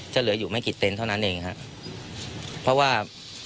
เหลืออยู่ไม่กี่เต็นต์เท่านั้นเองฮะเพราะว่า